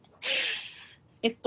えっと